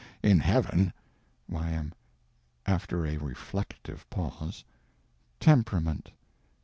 In heaven. Y.M. (_After a reflective pause) _Temperament.